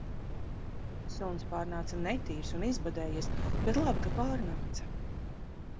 Suns pārnāca netīrs un izbadējies, bet labi, ka pārnāca